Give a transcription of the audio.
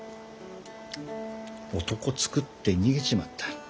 男作って逃げちまった。